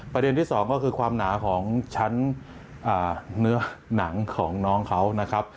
ประเด็นที่สองก็คือความหนาของชั้นเนื้อหนังของน้องเขา